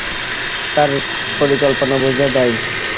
তাঁর পরিকল্পনা বোঝা দায়।